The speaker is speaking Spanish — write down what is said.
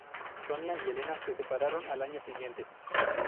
Sonia y Selena se separaron al año siguiente.